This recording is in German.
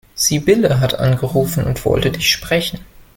Sibylle hat angerufen und wollte dich sprechen.